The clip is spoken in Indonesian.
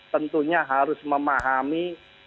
tentunya harus memahami